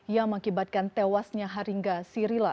yang mengakibatkan tewasnya haringga sirila